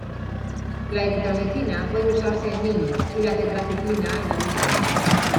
La eritromicina puede usarse en niños, y la tetraciclina en adultos.